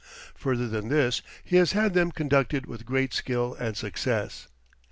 Further than this, he has had them conducted with great skill and success.